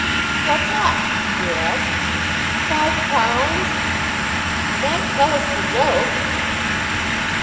"What's up?" he asked. "Five pounds!" "You might tell us the joke."